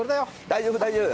大丈夫大丈夫。